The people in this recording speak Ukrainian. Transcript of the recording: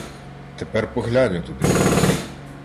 — Тепер поглянь отуди!